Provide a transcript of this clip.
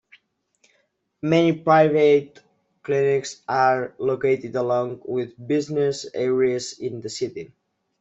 Many private clinics are located along with business areas in the city.